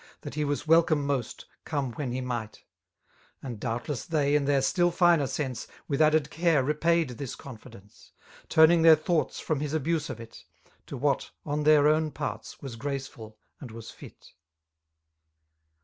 That he was welcome most^ come when he might* And doubtless, they, in their still finer sense^ With added care repcdd this confidence. Turning their thoughts firom his abuse of it^ To what on their own parts was graceful and was fit.